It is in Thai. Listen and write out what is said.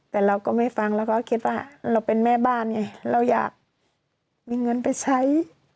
แต่เราก็ไม่ฟังเราก็คิดว่าเราเป็นแม่บ้านไงเราอยากมีเงินไปใช้